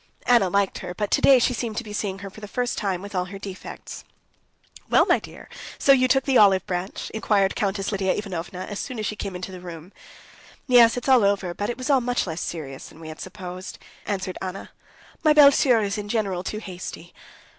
Anna liked her, but today she seemed to be seeing her for the first time with all her defects. "Well, my dear, so you took the olive branch?" inquired Countess Lidia Ivanovna, as soon as she came into the room. "Yes, it's all over, but it was all much less serious than we had supposed," answered Anna. "My belle sœur is in general too hasty."